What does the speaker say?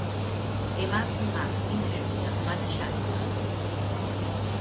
Dimarts en Max i na Júlia van a Xàtiva.